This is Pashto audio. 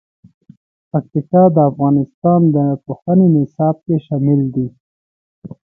پکتیکا د افغانستان د پوهنې نصاب کې شامل دي.